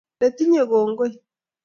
netinye kongoi